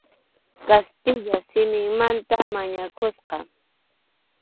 Kastilla simimanta mañakusqa.